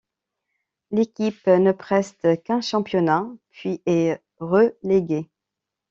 L’équipe ne preste qu’un championnat puis est reléguée.